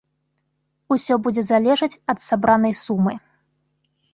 Усё будзе залежаць ад сабранай сумы.